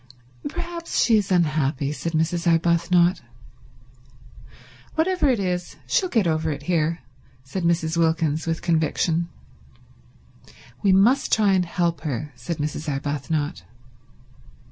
"Perhaps she is unhappy," said Mrs. Arbuthnot. "Whatever it is she is she'll get over it here," said Mrs. Wilkins with conviction. "We must try and help her," said Mrs. Arbuthnot.